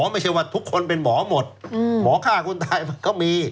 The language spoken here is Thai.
ไม่ใช่ว่าทุกคนเป็นหมอหมดหมอฆ่าคนตายมันก็มี